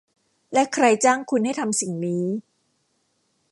และใครจ้างคุณให้ทำสิ่งนี้